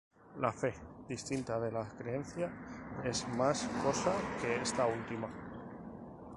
La fe, distinta de la creencia, es más "cosa" que esta última.